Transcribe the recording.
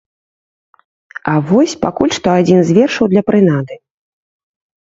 А вось пакуль што адзін з вершаў для прынады.